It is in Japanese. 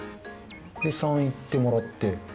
３行ってもらって。